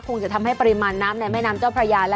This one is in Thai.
จะทำให้ปริมาณน้ำในแม่น้ำเจ้าพระยา